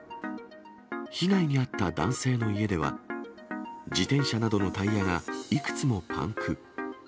被害に遭った男性の家では、自転車などのタイヤがいくつもパンク。